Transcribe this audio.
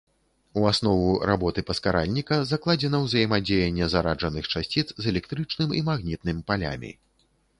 У аснову работы паскаральніка закладзена ўзаемадзеянне зараджаных часціц з электрычным і магнітным палямі.